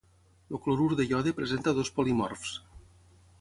El clorur de iode presenta dos polimorfs.